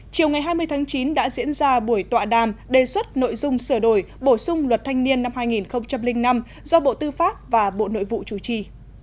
chiều ngày hai mươi tháng chín đã diễn ra buổi tọa đàm đề xuất nội dung sửa đổi bổ sung luật thanh niên năm hai nghìn năm do bộ tư pháp và bộ nội vụ chủ trì